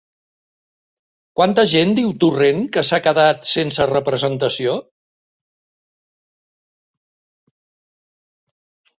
Quanta gent diu Torrent que s'ha quedat sense representació?